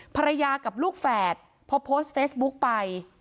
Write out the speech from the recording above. ภรรยากับลูกแฝดพอโพสต์เฟซบุ๊กไป